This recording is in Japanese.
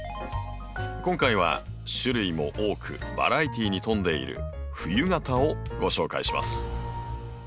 今回は種類も多くバラエティーに富んでいる冬型をご紹介します。